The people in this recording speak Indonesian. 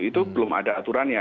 itu belum ada aturannya